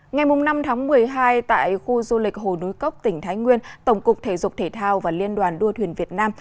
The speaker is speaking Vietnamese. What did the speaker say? ngày năm tháng một mươi hai tại khu du lịch hồ núi cốc tỉnh thái nguyên tổng cục thể dục thể thao và liên đoàn đua thuyền việt nam